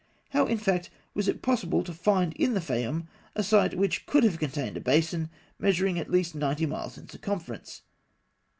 How, in fact, was it possible to find in the Fayûm a site which could have contained a basin measuring at least ninety miles in circumference?